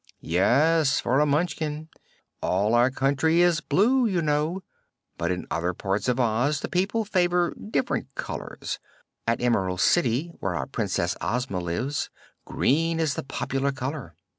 "Yes, for a Munchkin. All our country is blue, you know. But in other parts of Oz the people favor different colors. At the Emerald City, where our Princess Ozma lives, green is the popular color.